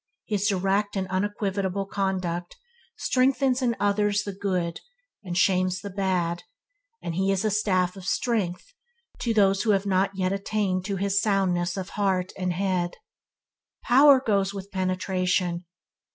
His direct and unequivocal conduct strengthens in others the good, and shames the bad, and he is a staff of strength to those who have not yet attained to his soundness of heart and head. Power goes with penetration.